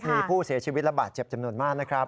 มีผู้เสียชีวิตและบาดเจ็บจำนวนมากนะครับ